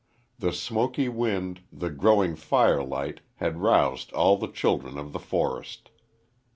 The smoky wind, the growing firelight had roused all the children of the forest.